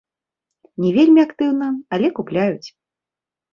Не вельмі актыўна, але купляюць.